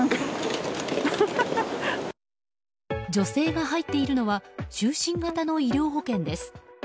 女性が入っているのは終身型の医療保険です。